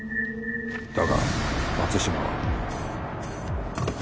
だが松島は。